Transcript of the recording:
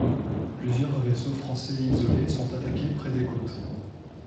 Plusieurs vaisseaux français isolés sont attaqués près des côtes.